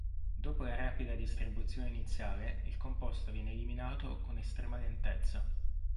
Dopo la rapida distribuzione iniziale il composto viene eliminato con estrema lentezza.